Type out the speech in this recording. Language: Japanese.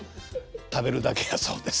食べるだけだそうです。